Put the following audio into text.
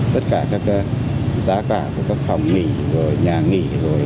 tất cả các giá cả các phòng nghỉ nhà nghỉ